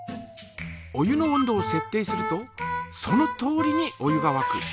お湯の温度をせっ定するとそのとおりにお湯がわく。